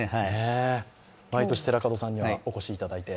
毎年、寺門さんにはお越しいただいて。